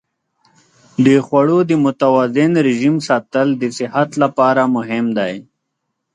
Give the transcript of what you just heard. د خوړو د متوازن رژیم ساتل د صحت لپاره مهم دی.